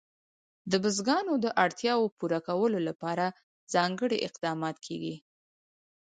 د بزګانو د اړتیاوو پوره کولو لپاره ځانګړي اقدامات کېږي.